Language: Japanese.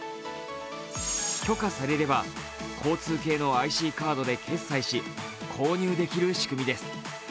許可されれば交通系のＩＣカードで決済し購入できる仕組みです。